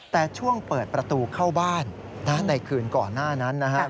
แต่ช่วงเปิดประตูเข้าบ้านในคืนก่อนหน้านั้น